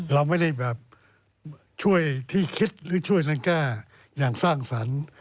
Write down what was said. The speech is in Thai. เราไม่ได้แบบช่วยที่คิดหรือช่วยกันแก้อย่างสร้างสรรค์